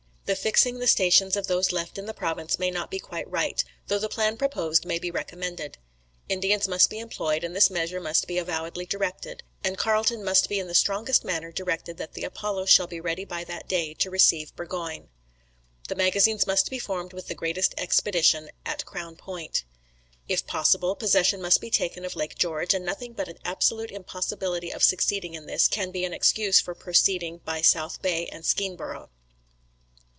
"The fixing the stations of those left in the province may not be quite right, though the plan proposed may be recommended. Indians must be employed, and this measure must be avowedly directed, and Carleton must be in the strongest manner directed that the Apollo shall be ready by that day, to receive Burgoyne. "The magazines must be formed with the greatest expedition, at Crown Point. "If possible, possession must be taken of Lake George, and nothing but an absolute impossibility of succeeding in this, can be an excuse for proceeding by South Bay and Skeenborough.